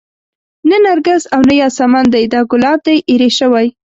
نه نرګس او نه ياسمن دى دا ګلاب دى ايرې شوى